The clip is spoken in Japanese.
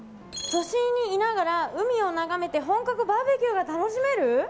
都心にいながら海を眺めて本格バーベキューが楽しめる？